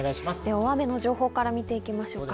大雨の情報から見ていきましょう。